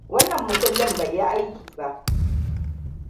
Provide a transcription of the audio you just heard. Wannan makullin bai yi aiki ba.